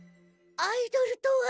アイドルとは。